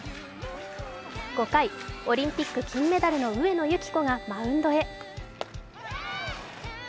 ５回、オリンピック金メダルの上野由岐子がマウンドへ。